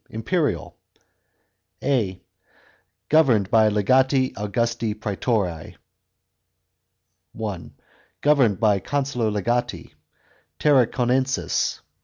Imperial a. Governed by legati Augusti pro praetore. (1) Governed by consular legati. Tarraconensis.